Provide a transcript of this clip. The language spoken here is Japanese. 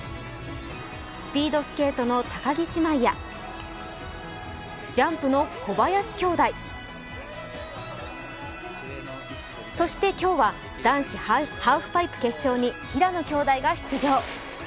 スピードスケートの高木姉妹やジャンプの小林兄弟、そして今日は男子ハーフパイプ決勝に平野兄弟が出場。